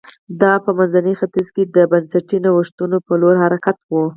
دا په منځني ختیځ کې د بنسټي نوښتونو په لور حرکت و